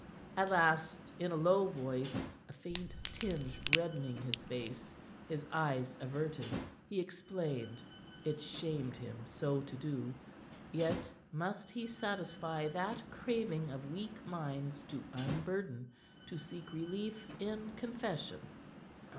At last, in a low voice, a faint tinge reddening his face, his eyes averted, he explained. It shamed him so to do, yet must he satisfy that craving of weak minds to unburden, to seek relief in confession.